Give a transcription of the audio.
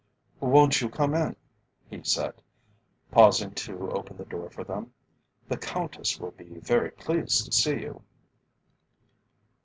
"Won't you come in?" he said, pausing to open the door for them. "The Countess will be very pleased to see you."